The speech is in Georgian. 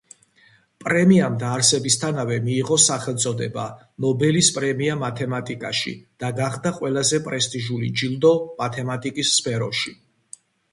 პრემიამ დაარსებისთანავე მიიღო სახელწოდება „ნობელის პრემია მათემატიკაში“ და გახდა ყველაზე პრესტიჟული ჯილდო მათემატიკის სფეროში.